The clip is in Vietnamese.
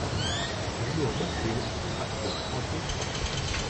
Thứ đồ bất hiếu, vặn cổ cho chết